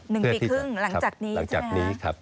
๑ปีครึ่งหลังจากนี้ใช่ไหมครับ